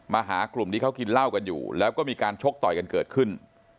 หากลุ่มที่เขากินเหล้ากันอยู่แล้วก็มีการชกต่อยกันเกิดขึ้น